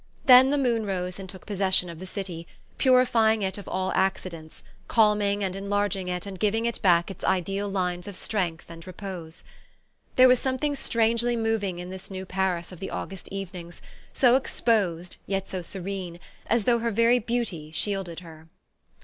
Then the moon rose and took possession of the city, purifying it of all accidents, calming and enlarging it and giving it back its ideal lines of strength and repose. There was something strangely moving in this new Paris of the August evenings, so exposed yet so serene, as though her very beauty shielded her.